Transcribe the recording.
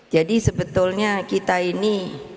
jadi sebetulnya kita ini